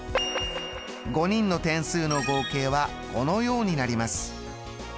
５人の点数の合計はこのようになります。